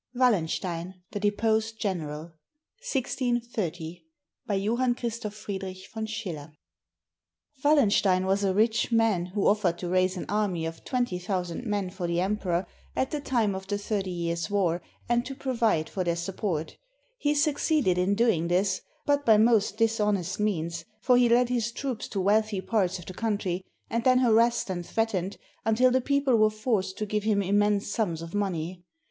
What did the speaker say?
WALLENSTEIN, THE DEPOSED GENERAL BY JOHANN CHRISTOPH FRIEDRICH VON SCHILLER [Wallenstein was a rich man who offered to raise an army of 20,000 men for the Emperor at the time of the Thirty Years' War, and to provide for their support. He succeeded in do ing this, but by most dishonest means, for he led his troops to wealthy parts of the country, and then harassed and threat ened until the people were forced to give him immense sums of money.